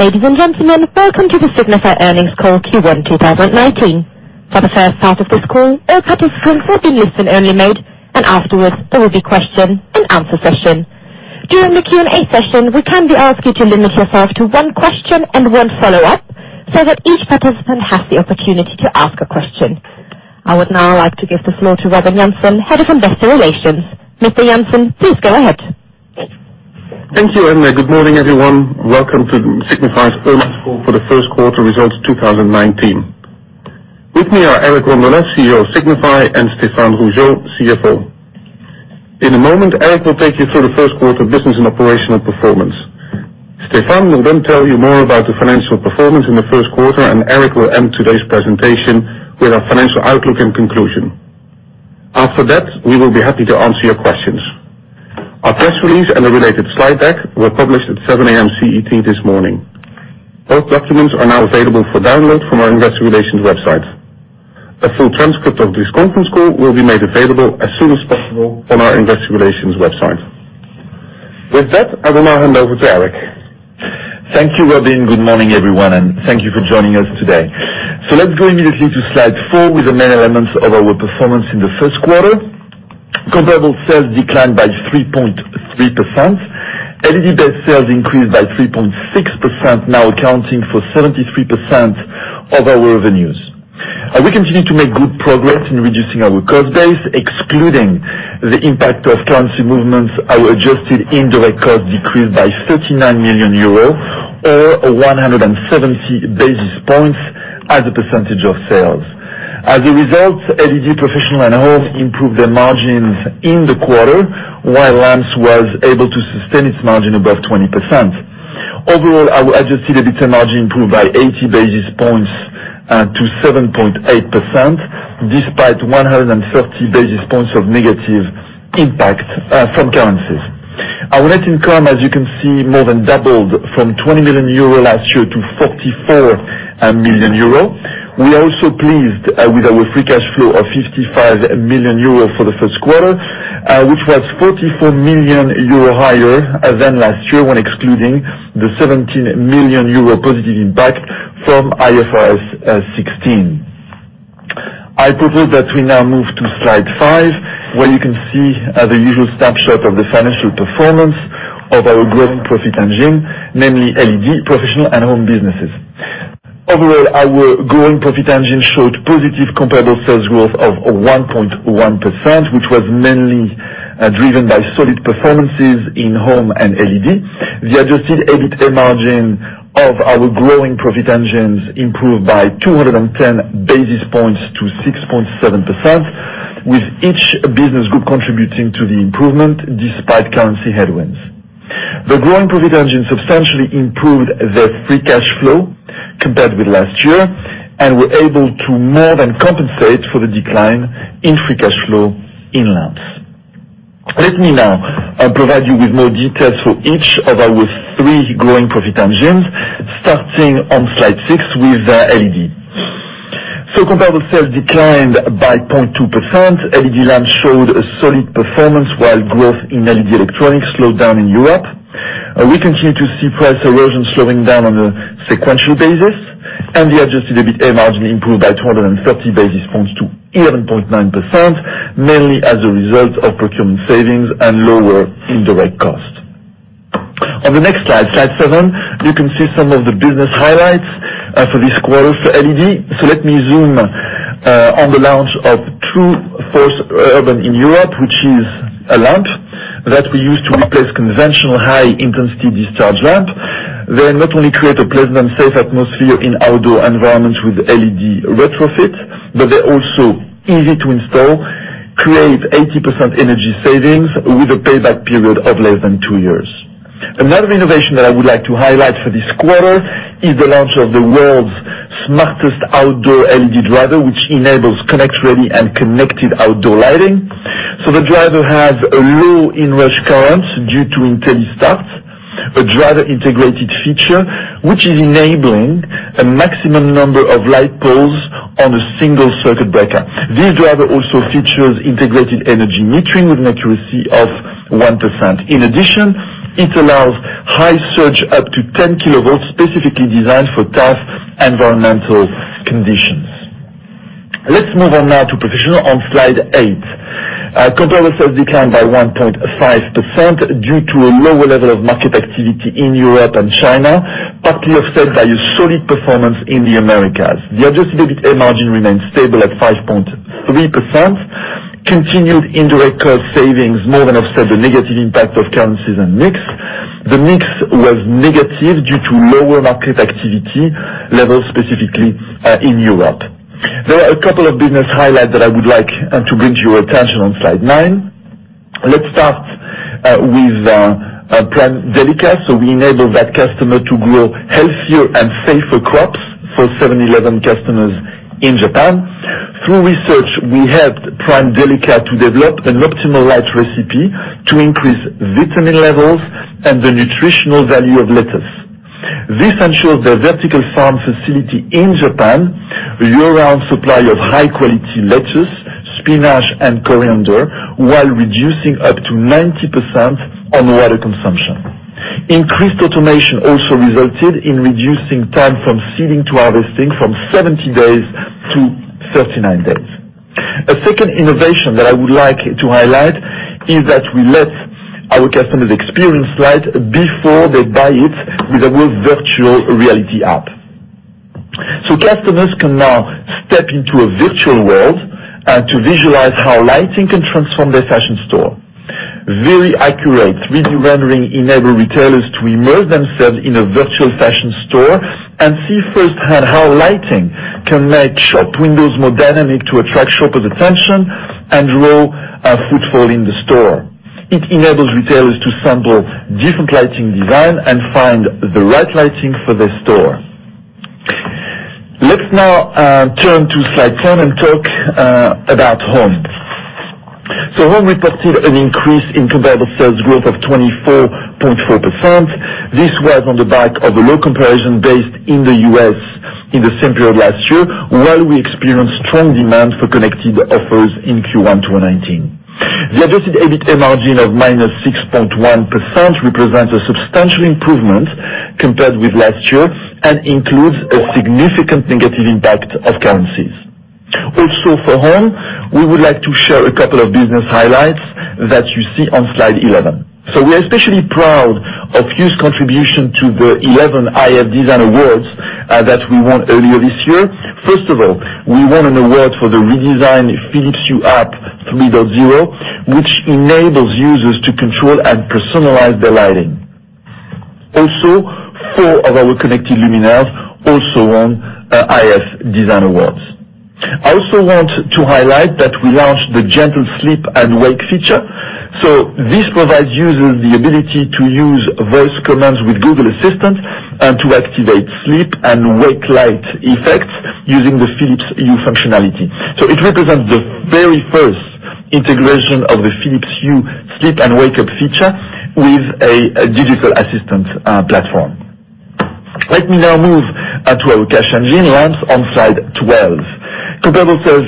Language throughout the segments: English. Ladies and gentlemen, welcome to the Signify earnings call, Q1 2019. For the first part of this call, all participants will be in listen-only mode. Afterwards there will be question-and-answer session. During the Q&A session, we kindly ask you to limit yourself to one question and one follow-up, so that each participant has the opportunity to ask a question. I would now like to give the floor to Robin Jansen, Head of Investor Relations. Mr. Jansen, please go ahead. Thank you. Good morning, everyone. Welcome to Signify's earnings call for the first quarter results of 2019. With me are Eric Rondolat, CEO of Signify, and Stéphane Rougeot, CFO. In a moment, Eric will take you through the first quarter business and operational performance. Stéphane will then tell you more about the financial performance in the first quarter. Eric will end today's presentation with our financial outlook and conclusion. After that, we will be happy to answer your questions. Our press release and the related slide deck were published at 7:00 A.M. CET this morning. Both documents are now available for download from our investor relations website. A full transcript of this conference call will be made available as soon as possible on our investor relations website. With that, I will now hand over to Eric. Thank you, Robin. Good morning, everyone. Thank you for joining us today. Let's go immediately to slide four with the main elements of our performance in the first quarter. Comparable sales declined by 3.3%. LED-based sales increased by 3.6%, now accounting for 73% of our revenues. We continue to make good progress in reducing our cost base. Excluding the impact of currency movements, our adjusted indirect cost decreased by EUR 39 million, or 170 basis points as a percentage of sales. As a result, LED, Professional and Home improved their margins in the quarter, while lamps was able to sustain its margin above 20%. Overall, our adjusted EBITDA margin improved by 80 basis points to 7.8%, despite 130 basis points of negative impact from currencies. Our net income, as you can see, more than doubled from 20 million euro last year to 44 million euro. We are also pleased with our free cash flow of 55 million euro for the first quarter, which was 44 million euro higher than last year when excluding the 17 million euro positive impact from IFRS 16. I propose that we now move to slide five, where you can see the usual snapshot of the financial performance of our growing profit engine, namely LED, Professional and Home businesses. Overall, our growing profit engine showed positive comparable sales growth of 1.1%, which was mainly driven by solid performances in Home and LED. The adjusted EBITDA margin of our growing profit engines improved by 210 basis points to 6.7%, with each business group contributing to the improvement despite currency headwinds. The growing profit engine substantially improved their free cash flow compared with last year, were able to more than compensate for the decline in free cash flow in lamps. Let me now provide you with more details for each of our three growing profit engines, starting on slide six with LED. Comparable sales declined by 0.2%. LED lamps showed a solid performance while growth in LED electronics slowed down in Europe. We continue to see price erosion slowing down on a sequential basis, and the adjusted EBITDA margin improved by 230 basis points to 11.9%, mainly as a result of procurement savings and lower indirect cost. On the next slide seven, you can see some of the business highlights for this quarter for LED. Let me zoom on the launch of TrueForce Urban in Europe, which is a lamp that we use to replace conventional high-intensity discharge lamp. They not only create a pleasant and safe atmosphere in outdoor environments with LED retrofit, but they're also easy to install, create 80% energy savings with a payback period of less than two years. Another innovation that I would like to highlight for this quarter is the launch of the world's smartest outdoor LED driver, which enables ConnectReady and connected outdoor lighting. The driver has a low inrush current due to IntelliStart, a driver-integrated feature which is enabling a maximum number of light poles on a single circuit breaker. This driver also features integrated energy metering with an accuracy of 1%. In addition, it allows high surge up to 10 kilowatts, specifically designed for tough environmental conditions. Let's move on now to Professional on slide eight. Comparable sales declined by 1.5% due to a lower level of market activity in Europe and China, partly offset by a solid performance in the Americas. The adjusted EBITDA margin remained stable at 5.3%. Continued indirect cost savings more than offset the negative impact of currencies and mix. The mix was negative due to lower market activity levels, specifically in Europe. There are a couple of business highlights that I would like to bring to your attention on slide nine. Let's start with Prime Delica. We enable that customer to grow healthier and safer crops for 7-Eleven customers in Japan. Through research, we helped Prime Delica to develop an optimal light recipe to increase vitamin levels and the nutritional value of lettuce. This ensures the vertical farm facility in Japan a year-round supply of high-quality lettuce, spinach, and coriander, while reducing up to 90% on water consumption. Increased automation also resulted in reducing time from seeding to harvesting from 70 days to 39 days. A second innovation that I would like to highlight is that we let our customers experience light before they buy it with our virtual reality app. Customers can now step into a virtual world to visualize how lighting can transform their fashion store. Very accurate 3D rendering enable retailers to immerse themselves in a virtual fashion store and see firsthand how lighting can make shop windows more dynamic to attract shoppers' attention and draw footfall in the store. It enables retailers to sample different lighting design and find the right lighting for their store. Let's now turn to slide 10 and talk about Home. Home reported an increase in comparable sales growth of 24.4%. This was on the back of a low comparison based in the U.S. in the same period last year, while we experienced strong demand for connected offers in Q1 2019. The adjusted EBITA margin of -6.1% represents a substantial improvement compared with last year and includes a significant negative impact of currencies. For Home, we would like to share a couple of business highlights that you see on slide 11. We're especially proud of Hue's contribution to the 11 iF Design Awards that we won earlier this year. First of all, we won an award for the redesigned Philips Hue App 3.0, which enables users to control and personalize their lighting. Also, four of our connected luminaires also won iF Design Awards. I also want to highlight that we launched the Gentle Sleep and Wake feature. This provides users the ability to use voice commands with Google Assistant and to activate sleep and wake light effects using the Philips Hue functionality. It represents the very first integration of the Philips Hue Sleep and Wake Up feature with a digital assistant platform. Let me now move to our Cash Engine lamps on slide 12. Comparable sales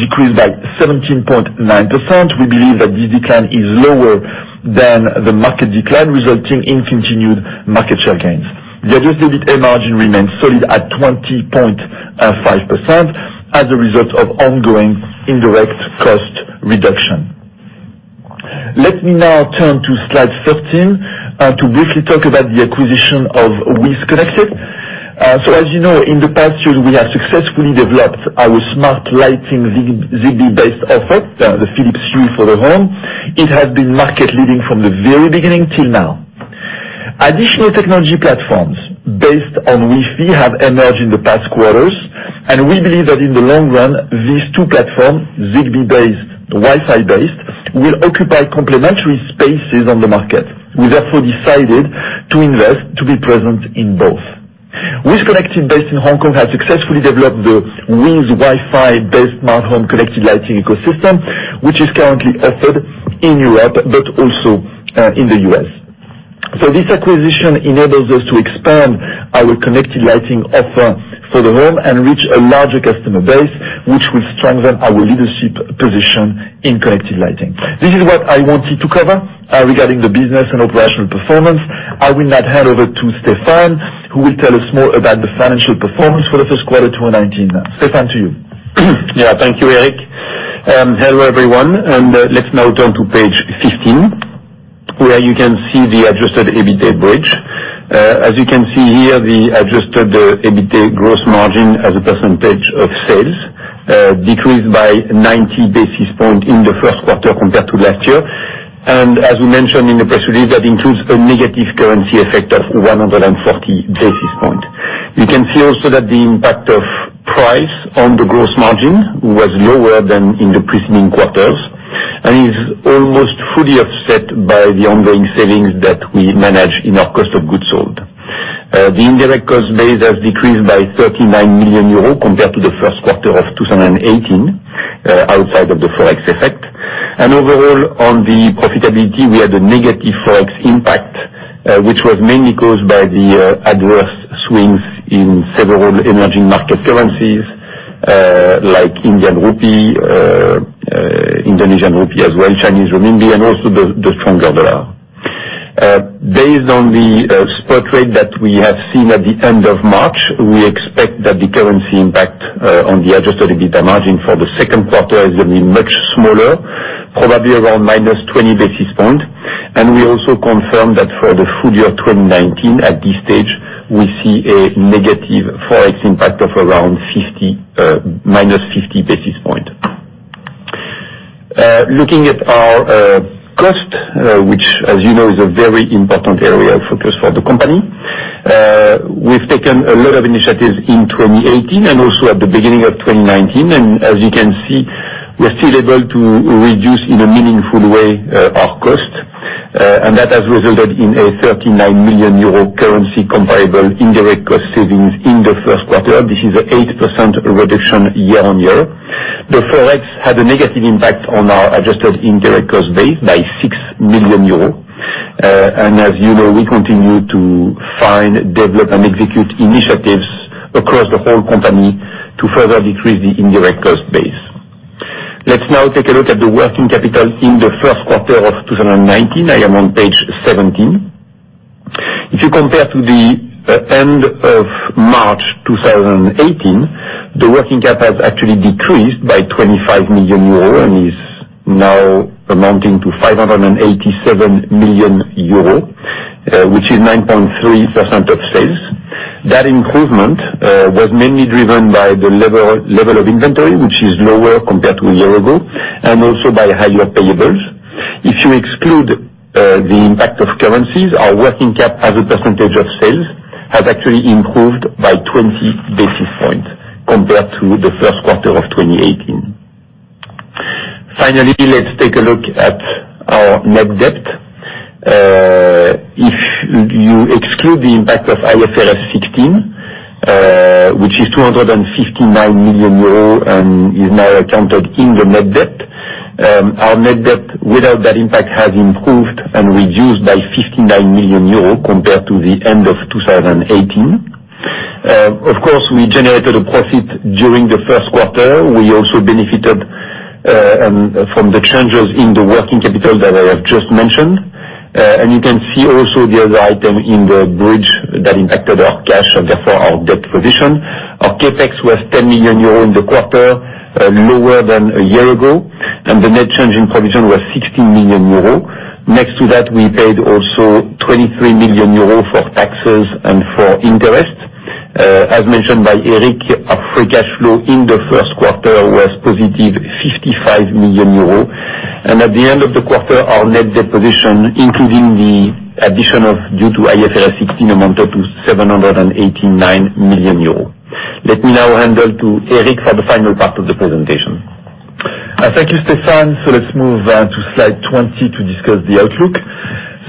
decreased by 17.9%. We believe that this decline is lower than the market decline, resulting in continued market share gains. The adjusted EBITA margin remains solid at 20.5% as a result of ongoing indirect cost reduction. Let me now turn to slide 13 to briefly talk about the acquisition of WiZ Connected. As you know, in the past years, we have successfully developed our smart lighting Zigbee-based offer, the Philips Hue for the Home. It has been market-leading from the very beginning till now. Additional technology platforms based on Wi-Fi have emerged in the past quarters, and we believe that in the long run, these two platforms, Zigbee-based, Wi-Fi based, will occupy complementary spaces on the market. We therefore decided to invest to be present in both. WiZ Connected, based in Hong Kong, has successfully developed the WiZ Wi-Fi based smart home connected lighting ecosystem, which is currently offered in Europe but also in the U.S. This acquisition enables us to expand our connected lighting offer for the Home and reach a larger customer base, which will strengthen our leadership position in connected lighting. This is what I wanted to cover regarding the business and operational performance. I will now hand over to Stéphane, who will tell us more about the financial performance for the first quarter of 2019. Stéphane, to you. Thank you, Eric. Hello, everyone. Let's now turn to page 15, where you can see the adjusted EBITA bridge. As you can see here, the adjusted EBITA gross margin as a percentage of sales decreased by 90 basis points in the first quarter compared to last year. As we mentioned in the press release, that includes a negative currency effect of 140 basis points. You can see also that the impact of price on the gross margin was lower than in the preceding quarters, and is almost fully offset by the ongoing savings that we manage in our cost of goods sold. The indirect cost base has decreased by 39 million euros compared to the first quarter of 2018, outside of the Forex effect. Overall, on the profitability, we had a negative Forex impact, which was mainly caused by the adverse swings in several emerging market currencies, like Indian rupee, Indonesian rupiah as well, Chinese renminbi, and also the stronger dollar. Based on the spot rate that we have seen at the end of March, we expect that the currency impact on the adjusted EBITA margin for the second quarter is going to be much smaller, probably around -20 basis points. We also confirm that for the full year of 2019, at this stage, we see a negative Forex impact of around -50 basis points. Looking at our cost, which as you know is a very important area of focus for the company. We've taken a lot of initiatives in 2018 and also at the beginning of 2019, as you can see, we are still able to reduce in a meaningful way our cost. That has resulted in a 39 million euro currency comparable indirect cost savings in the first quarter. This is an 8% reduction year-on-year. The Forex had a negative impact on our adjusted indirect cost base by 6 million euros. As you know, we continue to find, develop, and execute initiatives across the whole company to further decrease the indirect cost base. Let's now take a look at the working capital in the first quarter of 2019. I am on page 17. If you compare to the end of March 2018, the working capital has actually decreased by 25 million euro and is now amounting to 587 million euro, which is 9.3% of sales. That improvement was mainly driven by the level of inventory, which is lower compared to a year ago, and also by higher payables. If you exclude the impact of currencies, our working cap as a percentage of sales has actually improved by 20 basis points compared to the first quarter of 2018. Finally, let's take a look at our net debt. If you exclude the impact of IFRS 16, which is 259 million euros and is now accounted in the net debt, our net debt without that impact has improved and reduced by 59 million euros compared to the end of 2018. Of course, we generated a profit during the first quarter. We also benefited from the changes in the working capital that I have just mentioned. You can see also the other item in the bridge that impacted our cash and therefore our debt position. Our CapEx was 10 million euros in the quarter, lower than a year ago, and the net change in provision was 16 million euros. Next to that, we paid also 23 million euros for taxes and for interest. As mentioned by Eric, our free cash flow in the first quarter was positive 55 million euros. At the end of the quarter, our net debt position, including the addition of due to IFRS 16, amounted to 789 million euros. Let me now hand over to Eric for the final part of the presentation. Thank you, Stéphane. Let's move to slide 20 to discuss the outlook.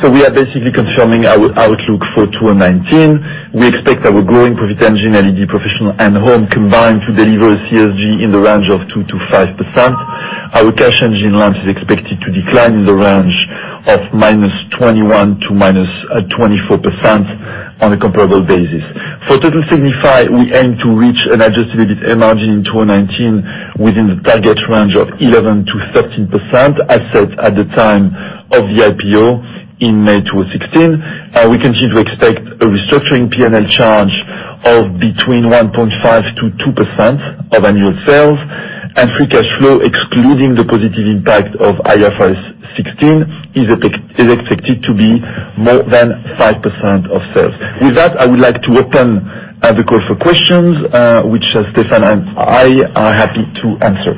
We are basically confirming our outlook for 2019. We expect our growing profit engine, LED Professional and Home combined, to deliver a CSG in the range of 2%-5%. Our cash engine lamps is expected to decline in the range of -21% to -24% on a comparable basis. For total Signify, we aim to reach an adjusted EBIT margin in 2019 within the target range of 11%-13%, as set at the time of the IPO in May 2016. We continue to expect a restructuring P&L charge of between 1.5%-2% of annual sales. Free cash flow excluding the positive impact of IFRS 16 is expected to be more than 5% of sales. With that, I would like to open the call for questions, which Stéphane and I are happy to answer.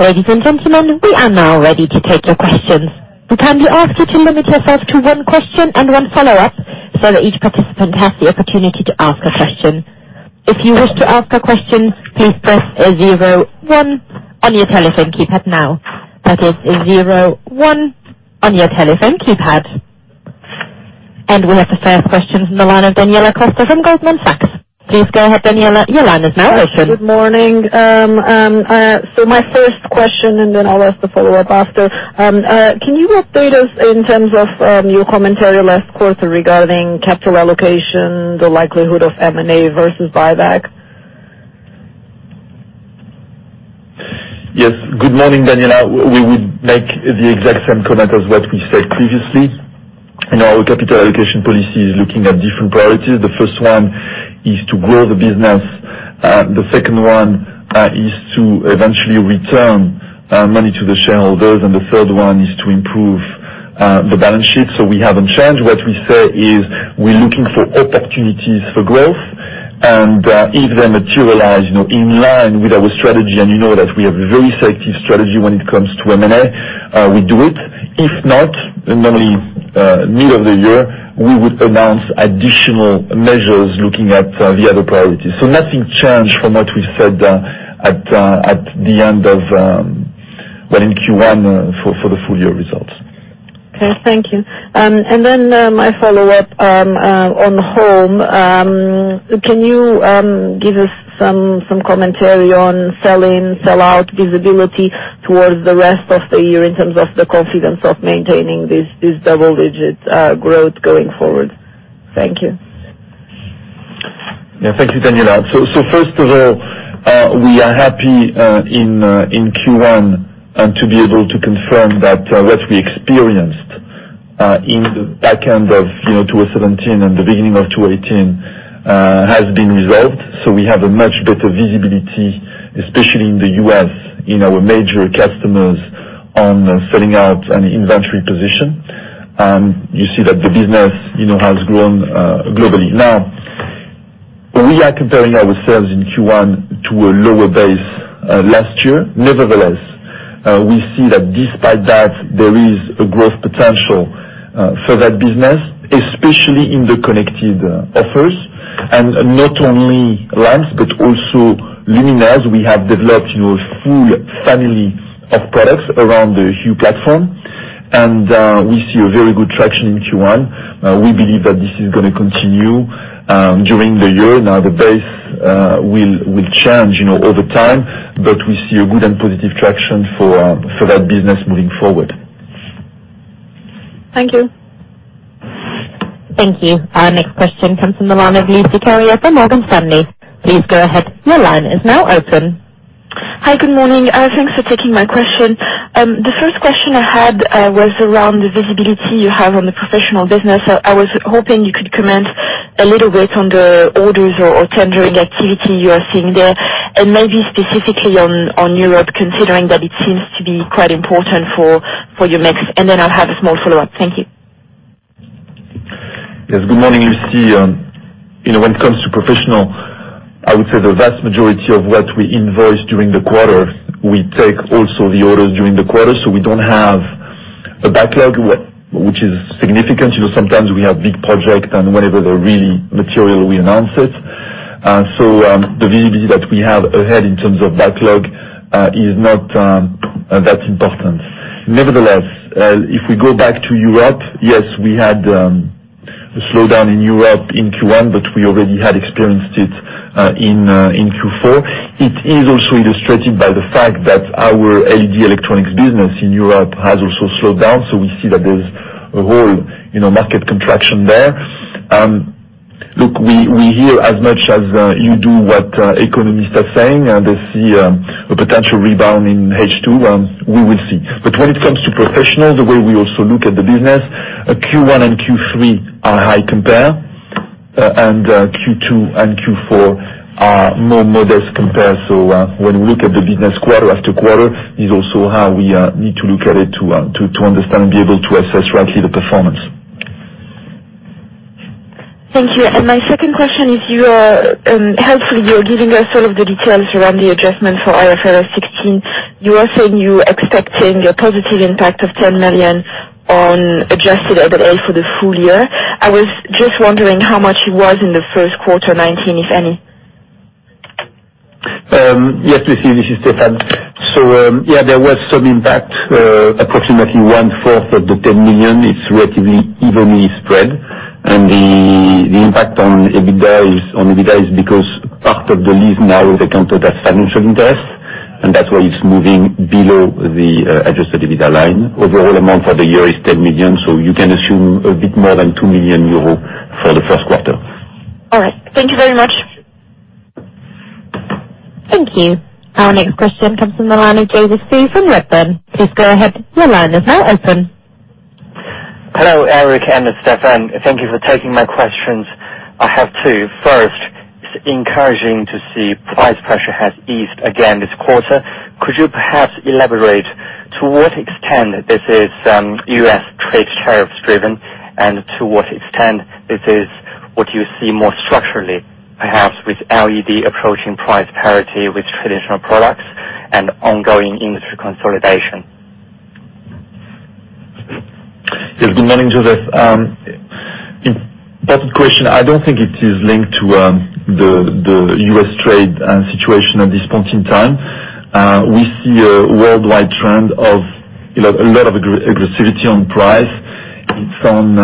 Ladies and gentlemen, we are now ready to take your questions. We kindly ask you to limit yourself to one question and one follow-up, so that each participant has the opportunity to ask a question. If you wish to ask a question, please press 01 on your telephone keypad now. That is 01 on your telephone keypad. We have the first question from the line of Daniela Costa from Goldman Sachs. Please go ahead, Daniela. Your line is now open. Good morning. My first question, and then I'll ask the follow-up after. Can you update us in terms of your commentary last quarter regarding capital allocation, the likelihood of M&A versus buyback? Yes. Good morning, Daniela. We would make the exact same comment as what we said previously. Our capital allocation policy is looking at different priorities. The first one is to grow the business. The second one is to eventually return money to the shareholders. The third one is to improve the balance sheet. We haven't changed. What we say is we're looking for opportunities for growth. If they materialize in line with our strategy, and you know that we have a very selective strategy when it comes to M&A, we do it. If not, normally middle of the year, we would announce additional measures looking at the other priorities. Nothing changed from what we said in Q1 for the full-year results. Okay. Thank you. My follow-up on Home. Can you give us some commentary on sell in, sell out visibility towards the rest of the year in terms of the confidence of maintaining this double-digit growth going forward? Thank you. Thank you, Daniela. First of all, we are happy in Q1 to be able to confirm that what we experienced in the back end of 2017 and the beginning of 2018 has been resolved. We have a much better visibility, especially in the U.S., in our major customers on selling out an inventory position. You see that the business has grown globally. We are comparing ourselves in Q1 to a lower base last year. Nevertheless, we see that despite that, there is a growth potential for that business, especially in the connected offers. Not only lamps, but also luminaires. We have developed full family of products around the Hue platform. We see a very good traction in Q1. We believe that this is going to continue during the year. The base will change over time, but we see a good and positive traction for that business moving forward. Thank you. Thank you. Our next question comes from the line of Lucie Carrier from Morgan Stanley. Please go ahead. Your line is now open. Hi, good morning. Thanks for taking my question. The first question I had was around the visibility you have on the professional business. I was hoping you could comment a little bit on the orders or tendering activity you are seeing there, maybe specifically on Europe, considering that it seems to be quite important for your mix. Then I'll have a small follow-up. Thank you. Yes, good morning, Lucie. When it comes to professional, I would say the vast majority of what we invoice during the quarter, we take also the orders during the quarter. We don't have a backlog, which is significant. Sometimes we have big projects, whenever they're really material, we announce it. The visibility that we have ahead in terms of backlog is not that important. Nevertheless, if we go back to Europe, yes, we had a slowdown in Europe in Q1, we already had experienced it in Q4. It is also illustrated by the fact that our LED electronics business in Europe has also slowed down. We see that there's a whole market contraction there. Look, we hear as much as you do what economists are saying, they see a potential rebound in H2. We will see. When it comes to professional, the way we also look at the business, Q1 and Q3 are high compare, Q2 and Q4 are more modest compare. When you look at the business quarter after quarter, is also how we need to look at it to understand, be able to assess rightly the performance. Thank you. My second question is, helpfully, you're giving us all of the details around the adjustment for IFRS 16. You are saying you're expecting a positive impact of 10 million on adjusted EBITDA for the full year. I was just wondering how much it was in the first quarter 2019, if any. Yes, Lucie, this is Stéphane. Yeah, there was some impact. Approximately one-fourth of the 10 million is relatively evenly spread. The impact on EBITDA is because part of the lease now is accounted as financial interest. That's why it's moving below the adjusted EBITDA line. Overall amount for the year is 10 million, so you can assume a bit more than 2 million euro for the first quarter. All right. Thank you very much. Thank you. Our next question comes from the line of Joseph Zhou from Redburn. Please go ahead. Your line is now open. Hello, Eric and Stéphane. Thank you for taking my questions. I have two. First, it's encouraging to see price pressure has eased again this quarter. Could you perhaps elaborate to what extent this is U.S. trade tariffs driven, and to what extent this is what you see more structurally, perhaps with LED approaching price parity with traditional products and ongoing industry consolidation? Yes, good morning, Joseph. Important question. I don't think it is linked to the U.S. trade situation at this point in time. We see a worldwide trend of a lot of aggressivity on price. It's on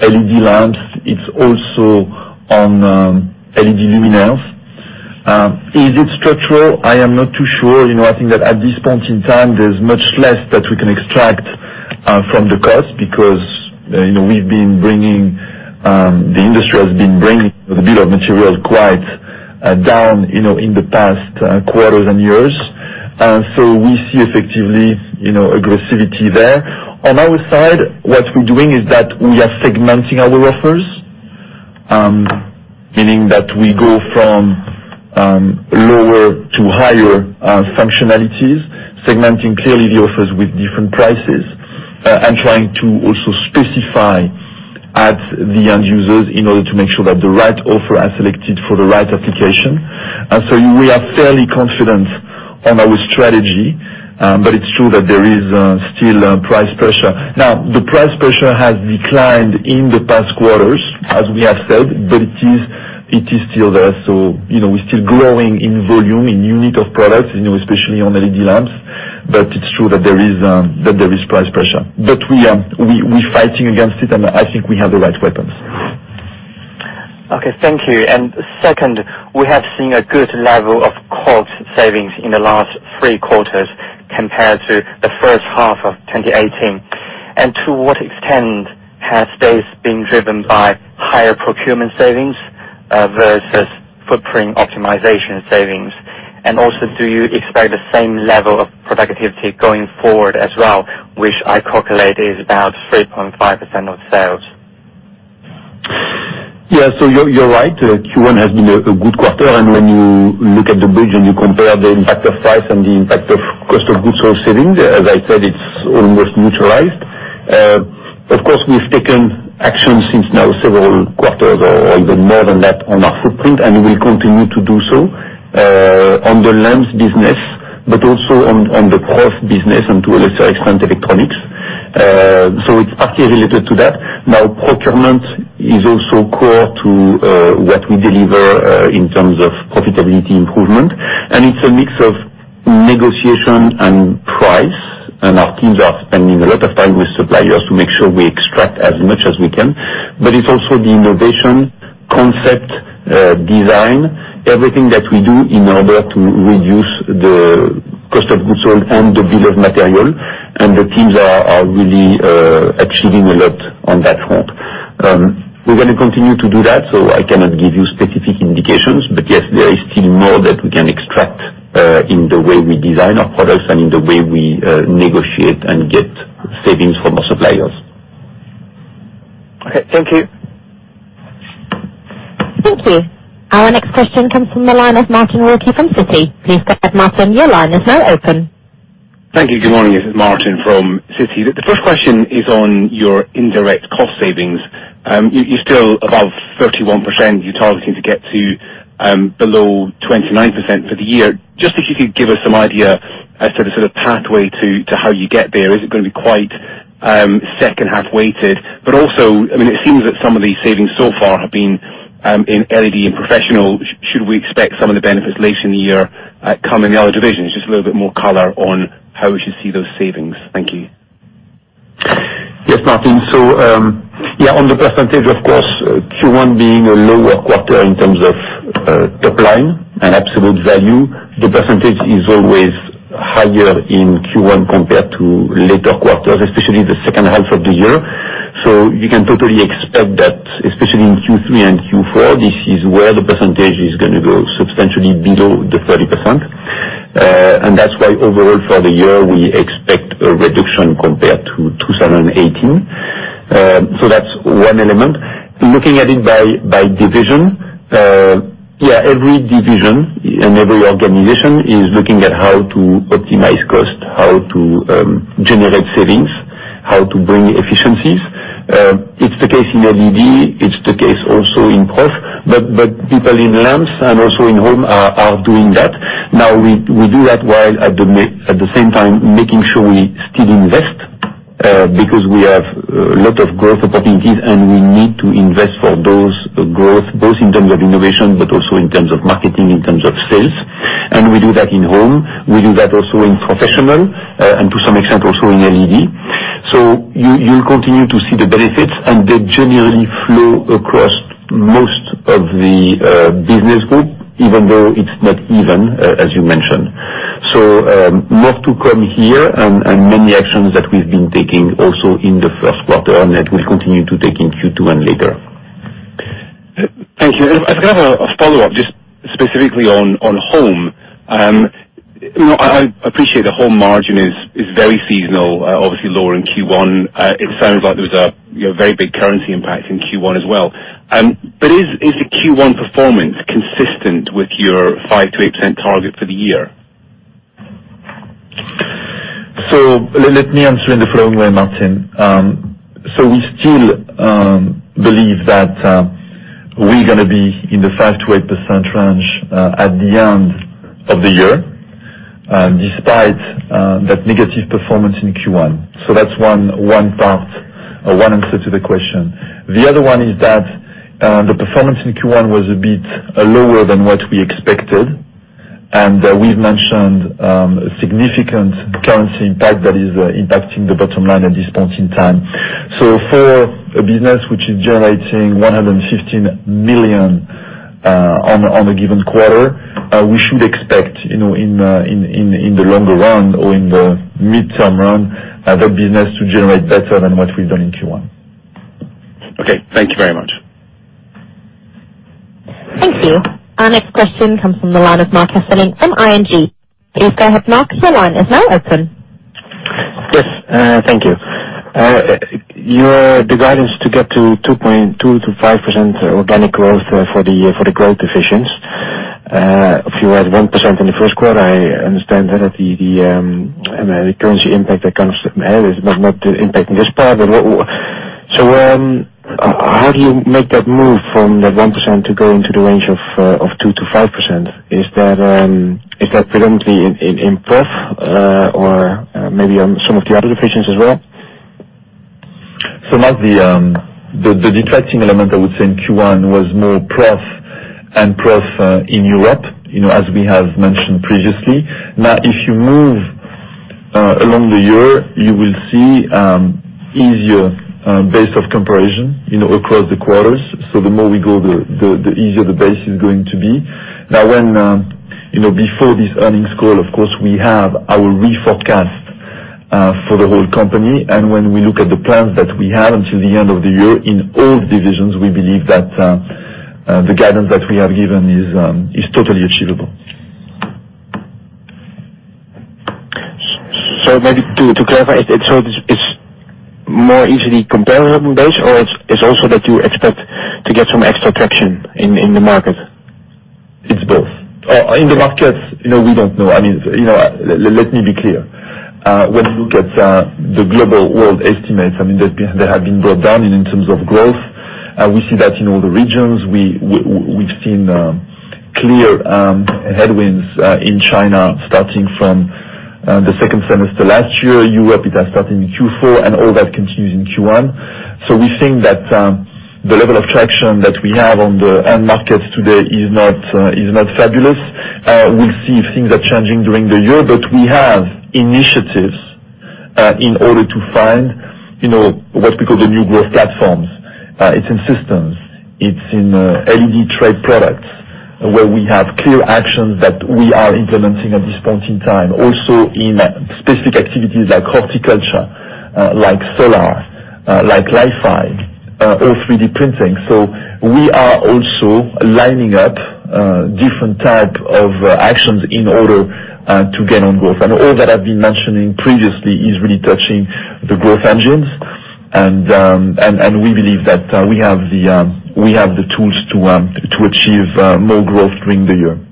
LED lamps. It's also on LED luminaires. Is it structural? I am not too sure. I think that at this point in time, there's much less that we can extract from the cost because the industry has been bringing the bill of material quite down, in the past quarters and years. We see effectively aggressivity there. On our side, what we're doing is that we are segmenting our offers, meaning that we go from lower to higher functionalities, segmenting clearly the offers with different prices, and trying to also specify at the end users in order to make sure that the right offer are selected for the right application. We are fairly confident on our strategy. It's true that there is still price pressure. Now, the price pressure has declined in the past quarters, as we have said, but it is still there. We're still growing in volume, in unit of products, especially on LED lamps. It's true that there is price pressure. We're fighting against it, and I think we have the right weapons. Okay, thank you. Second, we have seen a good level of cost savings in the last three quarters compared to the first half of 2018. To what extent has this been driven by higher procurement savings versus footprint optimization savings? Also, do you expect the same level of productivity going forward as well, which I calculate is about 3.5% of sales? Yeah. You're right. Q1 has been a good quarter. When you look at the bridge and you compare the impact of price and the impact of cost of goods or savings, as I said, it's almost neutralized. Of course, we've taken action since now several quarters or even more than that on our footprint, and we will continue to do so on the lamps business, but also on the cross business and to a lesser extent, electronics. It's partly related to that. Procurement is also core to what we deliver in terms of profitability improvement, and it's a mix of negotiation and price Our teams are spending a lot of time with suppliers to make sure we extract as much as we can. It's also the innovation, concept, design, everything that we do in order to reduce the cost of goods sold and the bill of material. The teams are really achieving a lot on that front. We're going to continue to do that, so I cannot give you specific indications. Yes, there is still more that we can extract, in the way we design our products and in the way we negotiate and get savings from our suppliers. Okay, thank you. Thank you. Our next question comes from the line of Martin Wilkie from Citi. Please go ahead, Martin. Your line is now open. Thank you. Good morning. This is Martin from Citi. The first question is on your indirect cost savings. You are still above 31%. You are targeting to get to below 29% for the year. Just if you could give us some idea as to the pathway to how you get there. Is it going to be quite second half weighted? Also, it seems that some of these savings so far have been in LED and Professional. Should we expect some of the benefits later in the year come in the other divisions? Just a little bit more color on how we should see those savings. Thank you. Yes, Martin. On the percentage, of course, Q1 being a lower quarter in terms of top line and absolute value, the percentage is always higher in Q1 compared to later quarters, especially the second half of the year. You can totally expect that, especially in Q3 and Q4, this is where the percentage is going to go substantially below the 30%. That's why overall for the year, we expect a reduction compared to 2018. That's one element. Looking at it by division, every division and every organization is looking at how to optimize cost, how to generate savings, how to bring efficiencies. It's the case in LED, it's the case also in Prof, but people in Lamps and also in Home are doing that. We do that while at the same time making sure we still invest, because we have a lot of growth opportunities, and we need to invest for those growth, both in terms of innovation, but also in terms of marketing, in terms of sales. We do that in Home. We do that also in Professional, and to some extent, also in LED. You'll continue to see the benefits, and they generally flow across most of the business group, even though it's not even, as you mentioned. More to come here and many actions that we've been taking also in the first quarter, and that we'll continue to take in Q2 and later. Thank you. I've got a follow-up just specifically on Home. I appreciate the Home margin is very seasonal, obviously lower in Q1. It sounds like there was a very big currency impact in Q1 as well. Is the Q1 performance consistent with your 5%-8% target for the year? Let me answer in the following way, Martin. We still believe that we are going to be in the 5%-8% range at the end of the year, despite that negative performance in Q1. That is one part or one answer to the question. The other one is that the performance in Q1 was a bit lower than what we expected. And we have mentioned a significant currency impact that is impacting the bottom line at this point in time. For a business which is generating 115 million on a given quarter, we should expect in the longer run or in the midterm run, the business to generate better than what we have done in Q1. Okay. Thank you very much. Thank you. Our next question comes from the line of Marc Hesselink from ING. Please go ahead, Marc. Your line is now open. Yes, thank you. The guidance to get to 2.2%-5% organic growth for the growth divisions. If you had 1% in the first quarter, I understand that the currency impact that comes with it is not impacting this part at all. How do you make that move from that 1% to go into the range of 2%-5%? Is that predominantly in Prof, or maybe on some of the other divisions as well? Marc, the detracting element I would say in Q1 was more Prof in Europe, as we have mentioned previously. If you move along the year, you will see easier base of comparison across the quarters. The more we go, the easier the base is going to be. Before this earnings call, of course, we have our reforecast for the whole company. When we look at the plans that we have until the end of the year in all divisions, we believe that the guidance that we have given is totally achievable. Maybe to clarify, so it's more easily comparable base or it's also that you expect to get some extra traction in the market? It's both. In the markets, we don't know. Let me be clear. When you look at the global world estimates, they have been brought down in terms of growth. We see that in all the regions. We've seen clear headwinds in China starting from the second semester last year. Europe, it has started in Q4, and all that continues in Q1. We think that the level of traction that we have on the end markets today is not fabulous. We'll see if things are changing during the year. We have initiatives In order to find what we call the new growth platforms. It's in systems, it's in LED trade products, where we have clear actions that we are implementing at this point in time, also in specific activities like horticulture, like solar, like Li-Fi, or 3D printing. We are also lining up different type of actions in order to get on growth. All that I've been mentioning previously is really touching the growth engines. We believe that we have the tools to achieve more growth during the year.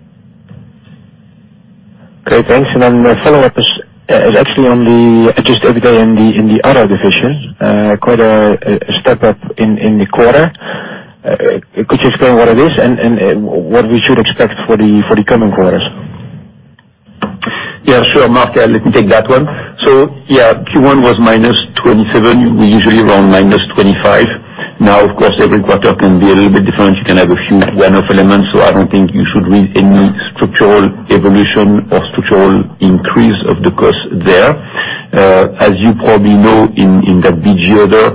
Great. Thanks. Then follow up is actually on the adjusted EBITDA in the other division. Quite a step up in the quarter. Could you explain what it is and what we should expect for the coming quarters? Yeah, sure, Marc. Let me take that one. Yeah, Q1 was -27. We're usually around -25. Of course, every quarter can be a little bit different. You can have a few one-off elements, I don't think you should read any structural evolution or structural increase of the cost there. As you probably know, in that BGO there,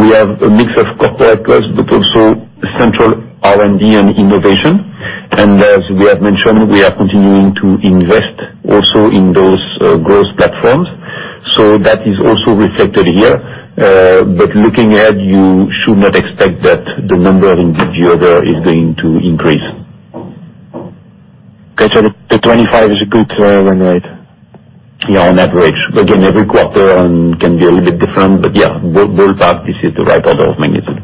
we have a mix of corporate costs, but also central R&D and innovation. As we have mentioned, we are continuing to invest also in those growth platforms. That is also reflected here. Looking ahead, you should not expect that the number in BGO there is going to increase. Okay. The 25 is a good run rate? Yeah, on average. Every quarter can be a little bit different, yeah, ballpark, this is the right order of magnitude.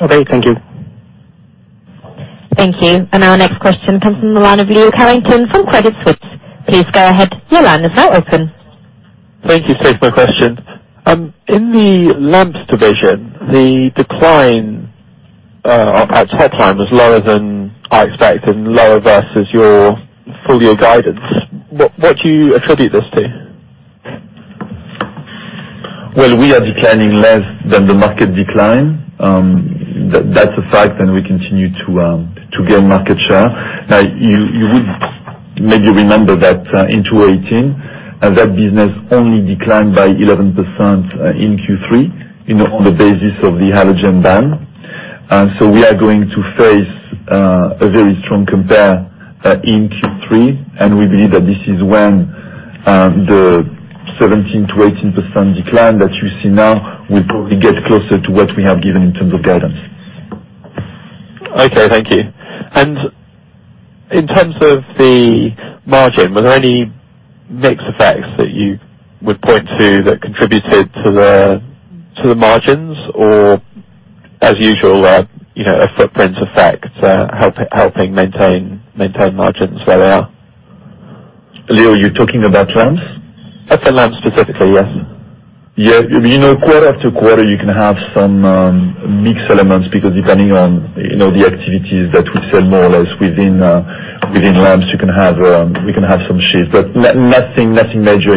Okay, thank you. Thank you. Our next question comes from the line of Leo Carrington from Credit Suisse. Please go ahead. Your line is now open. Thank you. Thanks for my question. In the lamps division, the decline, perhaps headcount was lower than I expected and lower versus your full-year guidance. What do you attribute this to? Well, we are declining less than the market decline. That's a fact, and we continue to gain market share. Now, you would maybe remember that in 2018, that business only declined by 11% in Q3 on the basis of the halogen ban. We are going to face a very strong compare in Q3, and we believe that this is when the 17%-18% decline that you see now will probably get closer to what we have given in terms of guidance. Okay, thank you. In terms of the margin, were there any mix effects that you would point to that contributed to the margins? As usual, a footprint effect helping maintain margins where they are? Leo, you're talking about lamps? About lamps specifically, yes. Yeah. Quarter after quarter, you can have some mix elements because depending on the activities that we sell more or less within lamps, we can have some shifts. Nothing major.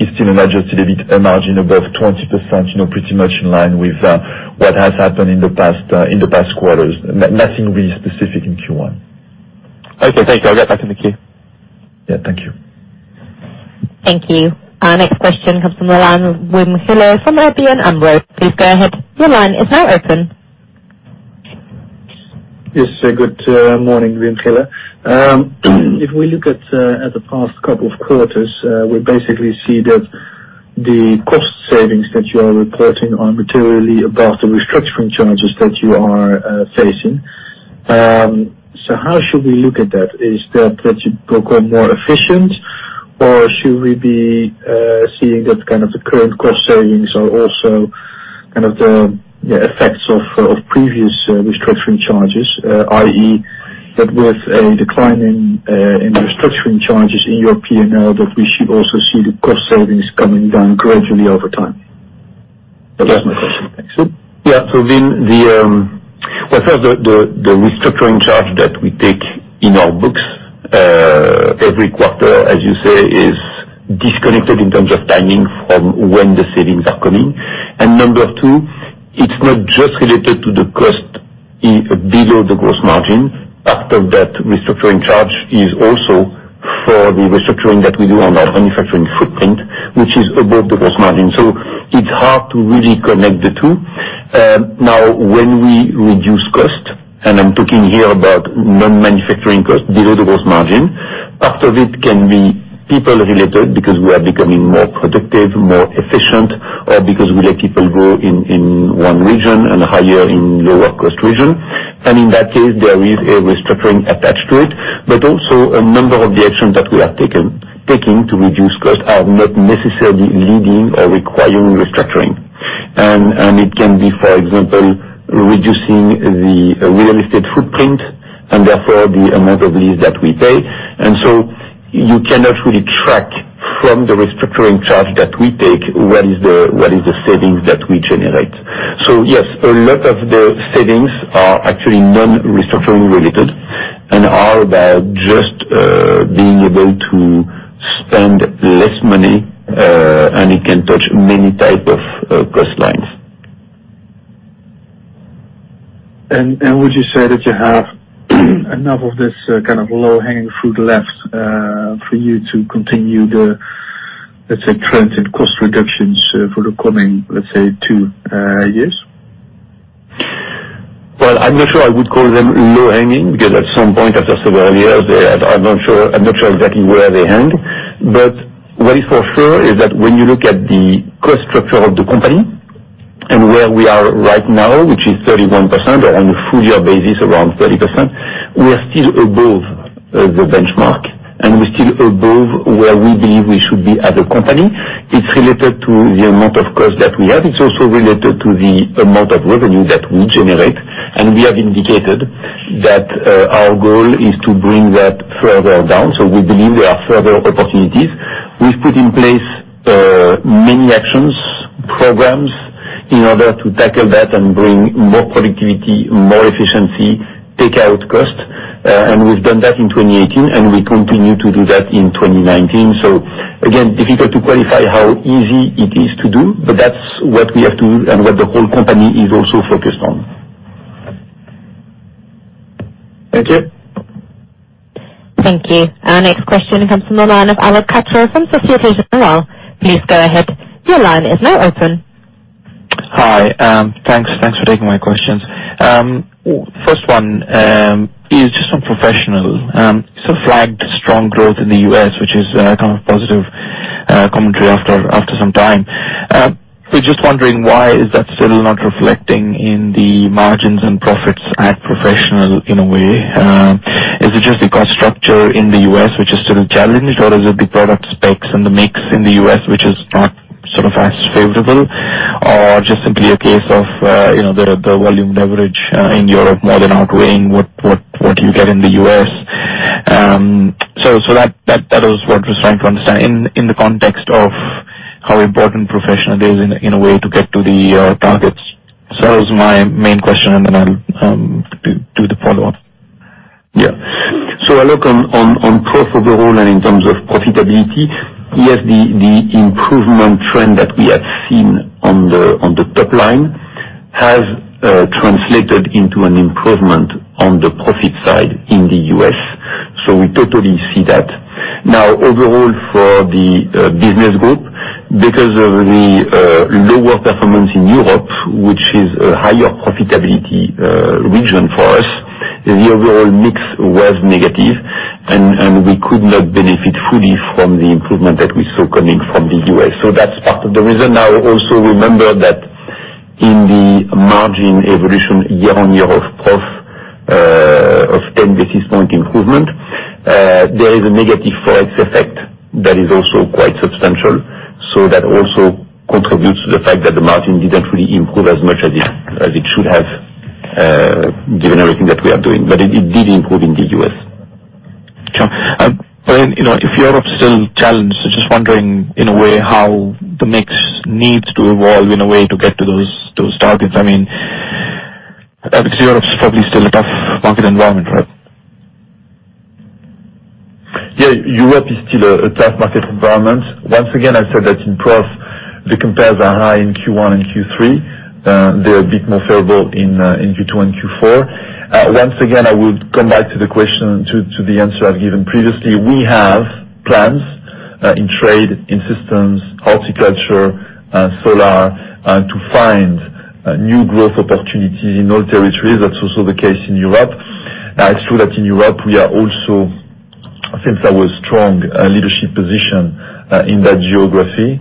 It's still an adjusted EBITA margin above 20%, pretty much in line with what has happened in the past quarters. Nothing really specific in Q1. Okay, thank you. I'll get back in the queue. Yeah, thank you. Thank you. Our next question comes from the line Wim Gille from ABN AMRO Bank N.V. Please go ahead. Your line is now open. Yes, good morning, Wim Gille. If we look at the past couple of quarters, we basically see that the cost savings that you are reporting are materially above the restructuring charges that you are facing. How should we look at that? Is that you become more efficient, or should we be seeing that kind of the current cost savings are also kind of the effects of previous restructuring charges, i.e., that with a decline in restructuring charges in your P&L, that we should also see the cost savings coming down gradually over time? That was my question. Thanks. Yeah. Wim, first, the restructuring charge that we take in our books every quarter, as you say, is disconnected in terms of timing from when the savings are coming. Number 2, it's not just related to the cost below the gross margin. Part of that restructuring charge is also for the restructuring that we do on our manufacturing footprint, which is above the gross margin. It's hard to really connect the two. Now, when we reduce cost, I'm talking here about non-manufacturing cost below the gross margin, part of it can be people-related because we are becoming more productive, more efficient, or because we let people go in one region and hire in lower cost region. In that case, there is a restructuring attached to it. Also a number of the actions that we are taking to reduce costs are not necessarily leading or requiring restructuring. It can be, for example, reducing the real estate footprint and therefore the amount of lease that we pay. You cannot really track from the restructuring charge that we take what is the savings that we generate. Yes, a lot of the savings are actually non-restructuring related and are about just being able to spend less money, and it can touch many type of cost lines. Would you say that you have enough of this kind of low-hanging fruit left for you to continue the, let's say, transit cost reductions for the coming, let's say, two years? Well, I'm not sure I would call them low-hanging, because at some point after several years, I'm not sure exactly where they hang. What is for sure is that when you look at the cost structure of the company and where we are right now, which is 31%, or on a full year basis, around 30%, we're still above the benchmark, and we're still above where we believe we should be as a company. It's related to the amount of cost that we have. It's also related to the amount of revenue that we generate. We have indicated that our goal is to bring that further down. We believe there are further opportunities. We've put in place many actions, programs in order to tackle that and bring more productivity, more efficiency, take out costs. We've done that in 2018, and we continue to do that in 2019. Again, difficult to qualify how easy it is to do, but that's what we have to, and what the whole company is also focused on. Thank you. Thank you. Our next question comes from the line of Alok Katre from Societe Generale. Please go ahead. Your line is now open. Hi. Thanks for taking my questions. First one is just on Professional. Flagged strong growth in the U.S., which is kind of positive commentary after some time. We're just wondering why is that still not reflecting in the margins and profits at Professional, in a way. Is it just the cost structure in the U.S. which is still challenged, or is it the product specs and the mix in the U.S. which is not sort of as favorable, or just simply a case of the volume leverage in Europe more than outweighing what you get in the U.S.? That is what I was trying to understand in the context of how important Professional is in a way to get to the targets. That was my main question, and then I'll do the follow-up. Alok, on Prof overall and in terms of profitability, yes, the improvement trend that we have seen on the top line has translated into an improvement on the profit side in the U.S. We totally see that. Overall for the business group, because of the lower performance in Europe, which is a higher profitability region for us, the overall mix was negative, and we could not benefit fully from the improvement that we saw coming from the U.S. That's part of the reason. Also remember that in the margin evolution year-over-year of Prof of 10 basis point improvement, there is a negative FX effect that is also quite substantial. That also contributes to the fact that the margin didn't really improve as much as it should have given everything that we are doing. It did improve in the U.S. Sure. If Europe's still challenged, just wondering in a way how the mix needs to evolve in a way to get to those targets. Europe's probably still a tough market environment, right? Europe is still a tough market environment. Once again, I said that in Prof, the compares are high in Q1 and Q3. They're a bit more favorable in Q2 and Q4. Once again, I would come back to the answer I've given previously. We have plans in trade, in systems, horticulture, solar, to find new growth opportunities in all territories. That's also the case in Europe. It's true that in Europe, we are also, since our strong leadership position in that geography,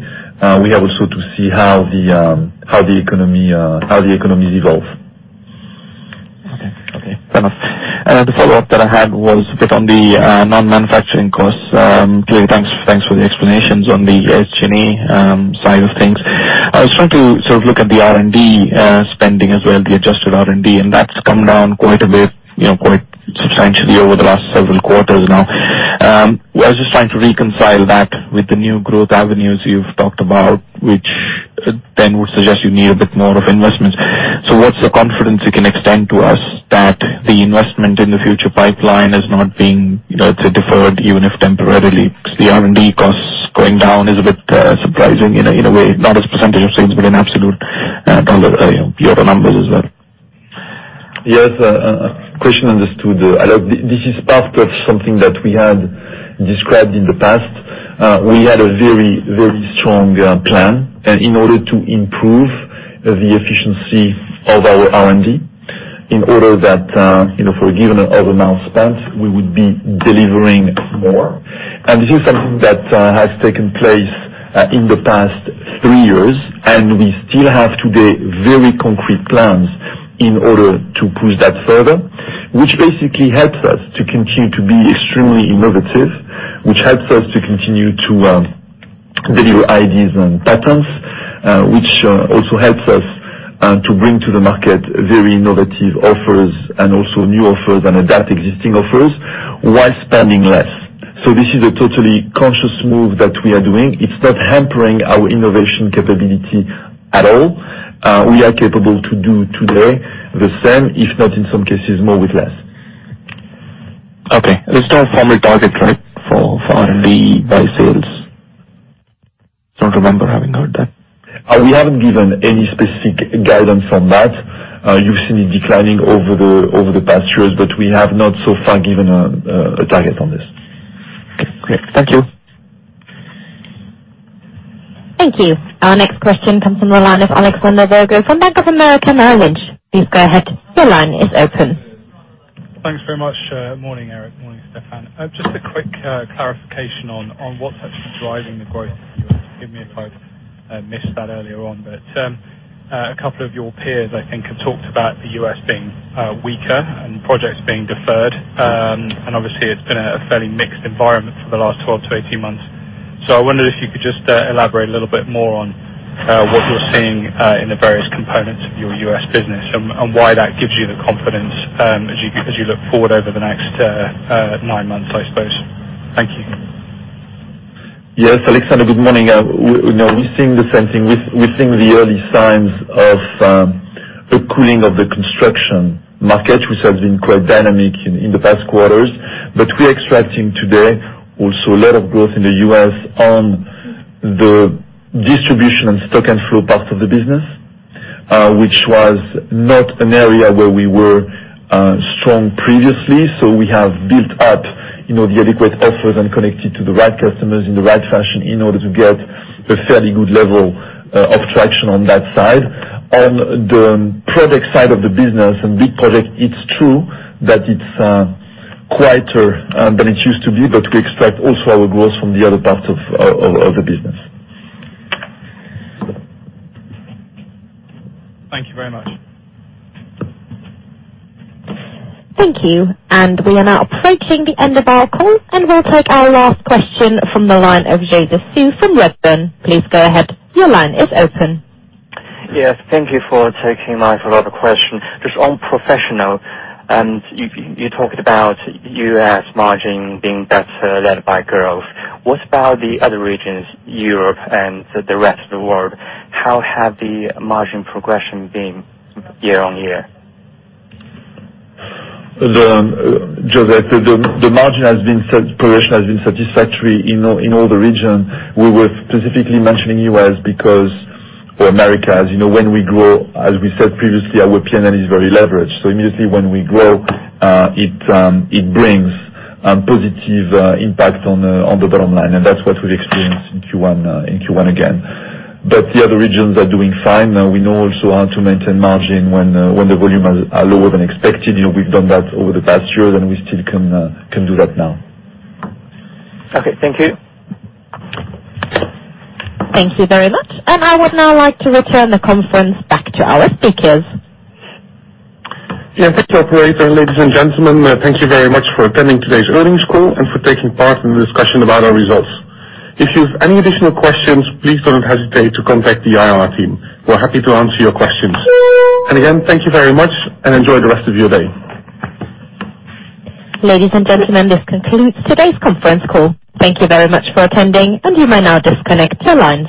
we have also to see how the economies evolve. Okay. Fair enough. The follow-up that I had was a bit on the non-manufacturing costs. Clearly, thanks for the explanations on the H&A side of things. I was trying to sort of look at the R&D spending as well, the adjusted R&D, that's come down quite a bit, quite substantially over the last several quarters now. I was just trying to reconcile that with the new growth avenues you've talked about, which then would suggest you need a bit more of investments. What's the confidence you can extend to us that the investment in the future pipeline is not being, let's say, deferred, even if temporarily? The R&D costs going down is a bit surprising in a way, not as percentage of sales, but in absolute EUR numbers as well. Yes. Question understood, Alok. This is part of something that we had described in the past. We had a very strong plan in order to improve the efficiency of our R&D, in order that for a given amount spent, we would be delivering more. This is something that has taken place in the past 3 years, and we still have today very concrete plans in order to push that further. Which basically helps us to continue to be extremely innovative, which helps us to continue to deliver ideas and patents, which also helps us to bring to the market very innovative offers and also new offers and adapt existing offers while spending less. This is a totally conscious move that we are doing. It's not hampering our innovation capability at all. We are capable to do today the same, if not in some cases more with less. Okay. There's no formal target, correct, for R&D by sales? Don't remember having heard that. We haven't given any specific guidance on that. You've seen it declining over the past years, but we have not so far given a target on this. Okay. Thank you. Thank you. Our next question comes from the line of Alexander Virgo from Bank of America Merrill Lynch. Please go ahead. Your line is open. Thanks very much. Morning, Eric. Morning, Stéphane. Just a quick clarification on what's actually driving the growth in the U.S. Forgive me if I missed that earlier on, but a couple of your peers, I think, have talked about the U.S. being weaker and projects being deferred. Obviously, it's been a fairly mixed environment for the last 12 to 18 months. I wondered if you could just elaborate a little bit more on what you're seeing in the various components of your U.S. business and why that gives you the confidence as you look forward over the next nine months, I suppose. Thank you. Yes, Alexander, good morning. We're seeing the same thing. We're seeing the early signs of a cooling of the construction market, which has been quite dynamic in the past quarters. We're extracting today also a lot of growth in the U.S. on the distribution and stock and flow parts of the business, which was not an area where we were strong previously. We have built up the adequate offers and connected to the right customers in the right fashion in order to get a fairly good level of traction on that side. On the product side of the business, and big product, it's true that it's quieter than it used to be, but we extract also our growth from the other parts of the business. Thank you very much. Thank you. We are now approaching the end of our call, we will take our last question from the line of Joseph Zhou from Redburn. Please go ahead. Your line is open. Yes, thank you for taking my follow-up question. Just on Professional, you talked about U.S. margin being better led by growth. What about the other regions, Europe and the rest of the world? How have the margin progression been year-on-year? Joseph, the margin progression has been satisfactory in all the regions. We were specifically mentioning U.S. or Americas. When we grow, as we said previously, our P&L is very leveraged. Immediately when we grow, it brings positive impact on the bottom line, that is what we have experienced in Q1 again. The other regions are doing fine. We know also how to maintain margin when the volume are lower than expected. We have done that over the past year, we still can do that now. Okay. Thank you. Thank you very much. I would now like to return the conference back to our speakers. Thank you, operator. Ladies and gentlemen, thank you very much for attending today's earnings call and for taking part in the discussion about our results. If you have any additional questions, please don't hesitate to contact the IR team. We're happy to answer your questions. Again, thank you very much, and enjoy the rest of your day. Ladies and gentlemen, this concludes today's conference call. Thank you very much for attending, and you may now disconnect your lines.